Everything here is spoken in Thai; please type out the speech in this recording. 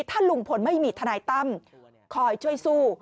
ถ้าลุงพลไม่มีทนายตั้มคอยช่วยสู้